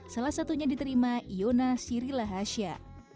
salah satunya diterima iona sirila hasha